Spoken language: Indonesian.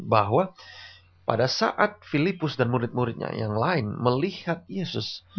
bahwa pada saat filipus dan murid muridnya yang lain melihat yesus